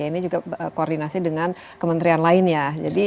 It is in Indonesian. ini juga koordinasi dengan kementerian lainnya